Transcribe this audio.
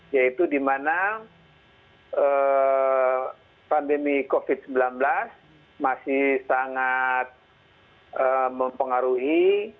yaitu dimana pandemi covid sembilan belas masih sangat mempengaruhi